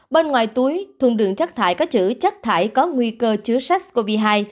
bên ngoài túi thùng đường rác thải có chữ chất thải có nguy cơ chứa sars cov hai